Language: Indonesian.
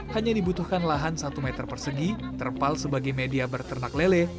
hanya dibutuhkan lahan satu meter persegi terpal sebagai media berternak lele